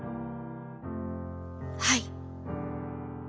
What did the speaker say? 「はい」。